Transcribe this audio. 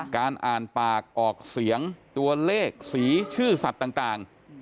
การอ่านปากออกเสียงตัวเลขสีชื่อสัตว์ต่าง